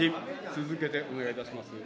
続けてお願いいたします。